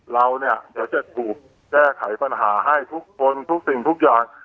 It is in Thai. เราเนี่ยเดี๋ยวจะถูกแก้ไขปัญหาให้ทุกคนทุกสิ่งทุกอย่าง